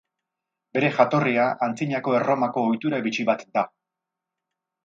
Bere jatorria Antzinako Erromako ohitura bitxi bat da.